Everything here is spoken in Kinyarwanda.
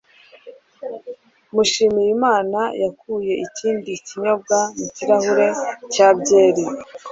Mushimiyimana yakuye ikindi kinyobwa mu kirahure cya byeri